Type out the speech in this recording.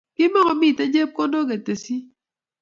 Kimakomitei chepkondok cheketesyin